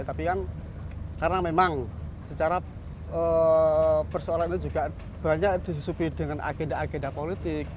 tapi kan karena memang secara persoalan ini juga banyak disusupi dengan agenda agenda politik